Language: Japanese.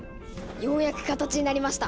ようやく形になりました！